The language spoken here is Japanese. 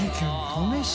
登米市。